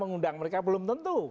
mengundang mereka belum tentu